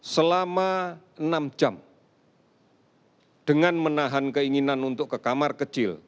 selama enam jam dengan menahan keinginan untuk ke kamar kecil